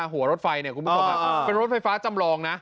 หัวรถไฟเป็นรถไฟฟ้าจำลองนะ